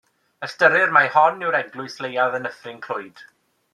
Ystyrir mai hon yw'r eglwys leiaf yn Nyffryn Clwyd.